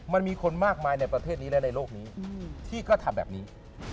มันมีคนมากมายในประเทศนี้และในโลกนี้ที่ก็ทำแบบนี้